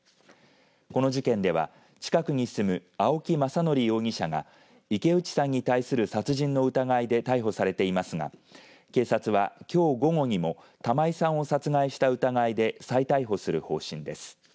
この事件では近くに住む青木政憲容疑者が池内さんに対する殺人の疑いで逮捕されていますが警察は、きょう午後にも玉井さんを殺害した疑いで再逮捕する方針です。